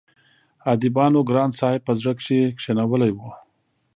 اديبانو ګران صاحب په زړه کښې کښينولی وو